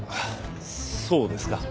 そうですか。